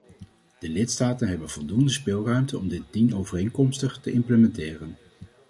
De lidstaten hebben voldoende speelruimte om dit dienovereenkomstig te implementeren.